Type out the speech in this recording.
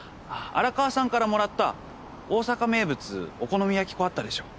荒川さんからもらった大阪名物お好み焼き粉あったでしょ。